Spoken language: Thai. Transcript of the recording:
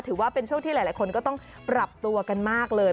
ถือว่าเป็นช่วงที่หลายคนก็ต้องปรับตัวกันมากเลย